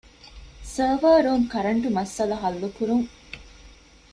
ސަރވަރ ރޫމް ކަރަންޓު މައްސަލަ ޙައްލުކުރުން